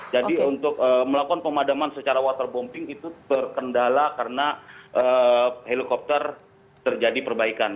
jadi untuk melakukan pemadaman secara waterbombing itu berkendala karena helikopter terjadi perbaikan